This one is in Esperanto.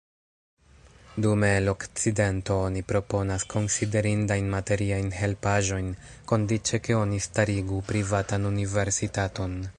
Dume el Okcidento oni proponas konsiderindajn materiajn helpaĵojn, kondiĉe ke oni starigu privatan universitaton.